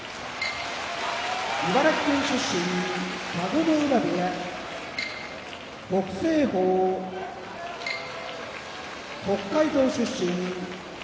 茨城県出身田子ノ浦部屋北青鵬北海道出身宮城野部屋